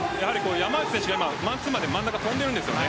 山内選手がマンツーマンで真ん中を跳んでいるんです。